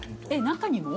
中にも？